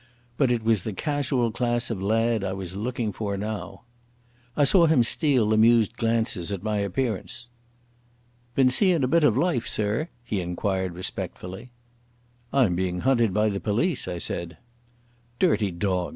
But it was the casual class of lad I was looking for now. I saw him steal amused glances at my appearance. "Been seein' a bit of life, sir?" he inquired respectfully. "I'm being hunted by the police," I said. "Dirty dogs!